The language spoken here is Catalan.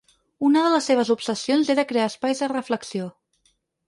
Una de les seves obsessions era crear espais de reflexió.